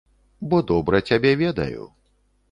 Бо добра цябе ведаю.